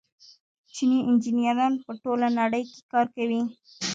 چیني انجنیران په ټوله نړۍ کې کار کوي.